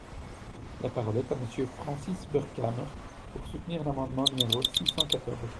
La parole est à Monsieur Francis Vercamer, pour soutenir l’amendement numéro six cent quatorze.